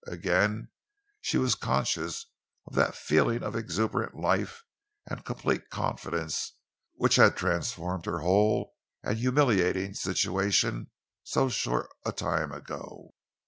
Again she was conscious of that feeling of exuberant life and complete confidence which had transformed her whole and humiliating situation so short a time ago.